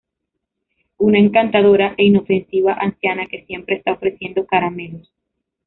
Una encantadora e inofensiva anciana, que siempre está ofreciendo caramelos.